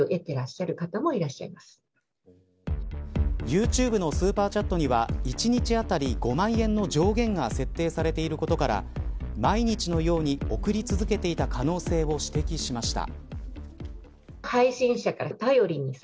ユーチューブのスーパーチャットには１日当たり５万円の上限が設定されていることから毎日のように送り続けていた可能性を指摘しました。